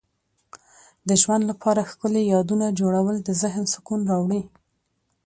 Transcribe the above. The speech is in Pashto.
د ژوند لپاره ښکلي یادونه جوړول د ذهن سکون راوړي.